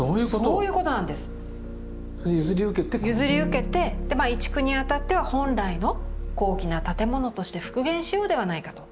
譲り受けて移築にあたっては本来の高貴な建物として復元しようではないかと。